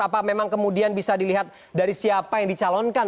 apa memang kemudian bisa dilihat dari siapa yang dicalonkan